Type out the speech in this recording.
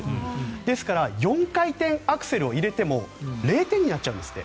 ですから４回転アクセルを入れても０点になっちゃうんですって。